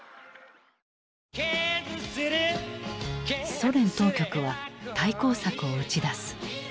ソ連当局は対抗策を打ち出す。